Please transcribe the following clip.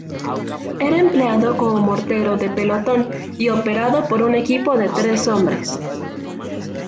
Era empleado como mortero de pelotón y operado por un equipo de tres hombres.